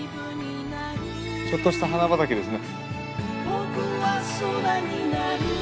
ちょっとした花畑ですね。